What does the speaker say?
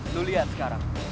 lo lihat sekarang